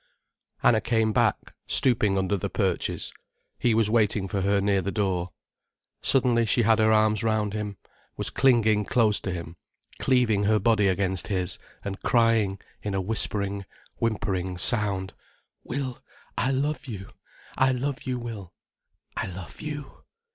Anna came back, stooping under the perches. He was waiting for her near the door. Suddenly she had her arms round him, was clinging close to him, cleaving her body against his, and crying, in a whispering, whimpering sound. "Will, I love you, I love you, Will, I love you."